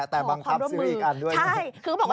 แต่บังคับซื้ออีกอันด้วยนะ